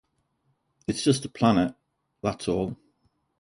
It's just a planet, that's all.